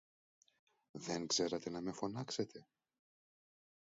Δεν ξέρατε να με φωνάξετε;.